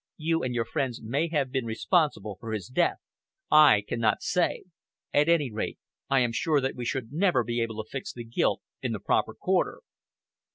You and your friends may have been responsible for his death. I cannot say! At any rate, I am sure that we should never be able to fix the guilt in the proper quarter."